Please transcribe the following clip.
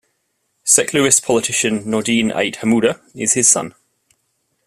Secularist politician Nordine Ait Hamouda is his son.